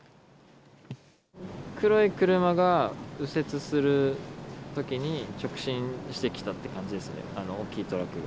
黒い車が右折するときに、直進してきたっていう感じですね、大きいトラックが。